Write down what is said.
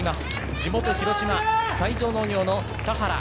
地元・広島、西条農業の田原。